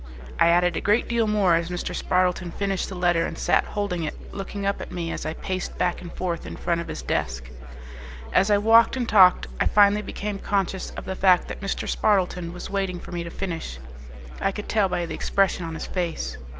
I added a great deal more as Mr. Spardleton finished the letter and sat holding it looking up at me as I paced back and forth in front of his desk. As I walked and talked, I finally became conscious of the fact that Mr. Spardleton was waiting for me to finish; I could tell by the expression on his face.